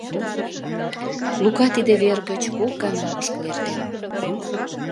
Лука тиде вер гыч кок гана ошкыл эртен.